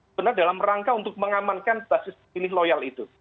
sebenarnya dalam rangka untuk mengamankan basis pilih loyal itu